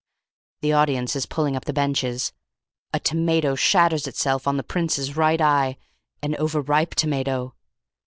"The audience is pulling up the benches. A tomato shatters itself on the Prince's right eye. An over ripe tomato.